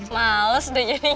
males udah jadinya